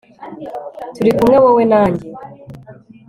turi kumwe, wowe nanjye